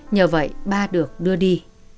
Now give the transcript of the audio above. nhờ vậy ba được đưa đi